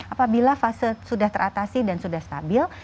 apabila fase sudah teratasi dan sudah stabil